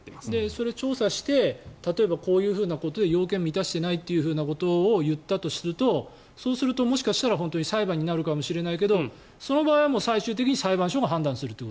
それ、調査してこういうことで要件を満たしていないということを言ったとすると本当にもしかしたら裁判になるかもしれないけれどその場合は最終的に裁判所が判断すると。